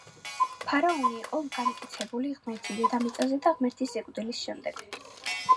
ფარაონი იყო განკაცებული ღმერთი დედამიწაზე და ღმერთი სიკვდილის შემდეგ.